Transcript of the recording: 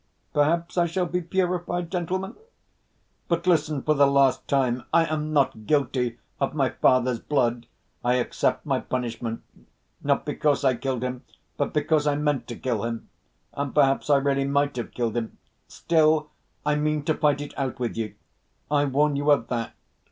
Perhaps I shall be purified, gentlemen? But listen, for the last time, I am not guilty of my father's blood. I accept my punishment, not because I killed him, but because I meant to kill him, and perhaps I really might have killed him. Still I mean to fight it out with you. I warn you of that.